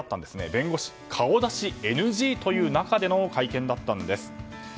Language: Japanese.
弁護士、顔出しＮＧという中での会見だったんです。